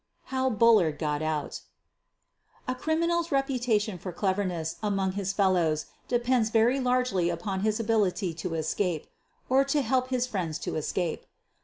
HOW BULLARD GOT OUT A criminal's reputation for cleverness among his fellows depends very largely upon his ability to escape — or to help his friends to escape.